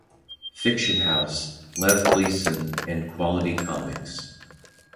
Fiction House, Lev Gleason, and Quality Comics.